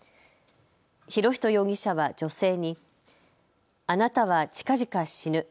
博仁容疑者は女性にあなたはちかぢか死ぬ。